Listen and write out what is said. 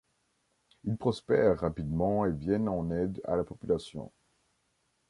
Ils prospèrent rapidement et viennent en aide à la population.